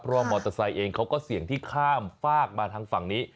เพราะว่ามอเตอร์ไซค์เองเขาก็เสี่ยงที่ข้ามฝากมาทางฝั่งนี้